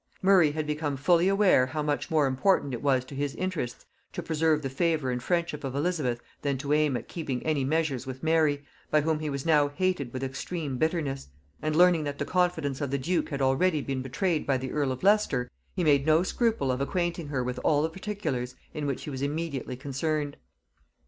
Murray had become fully aware how much more important it was to his interests to preserve the favor and friendship of Elizabeth than to aim at keeping any measures with Mary, by whom he was now hated with extreme bitterness; and learning that the confidence of the duke had already been betrayed by the earl of Leicester, he made no scruple of acquainting her with all the particulars in which he was immediately concerned.